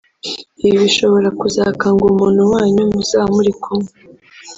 Ibi bishobora kuzakanga umuntu wanyu muzaba muri kumwe